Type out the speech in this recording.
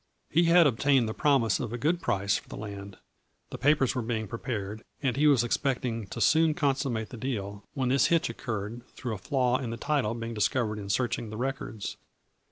He had obtained the promise of a good price for the land, the papers were being prepared, and he was expecting to soon consummate the deal, when this hitch occurred through a flaw in the title being discovered in searching the records.